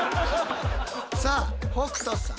さあ北斗さん。